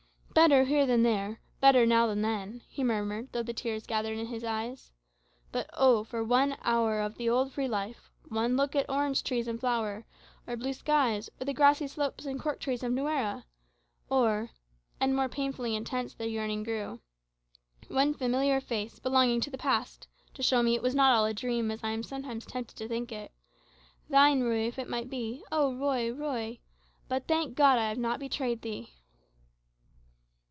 "Better here than there, better now than then," he murmured, though the tears gathered in his eyes. "But oh, for one hour of the old free life, one look at orange trees in flower, or blue skies, or the grassy slopes and cork trees of Nuera! Or" and more painfully intense the yearning grew "one familiar face, belonging to the past, to show me it was not all a dream, as I am sometimes tempted to think it. Thine, Ruy, if it might be. O Ruy, Ruy! But, thank God, I have not betrayed thee!"